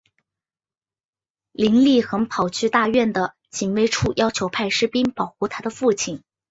林立衡跑去大院的警卫处要求派士兵保护她的父亲。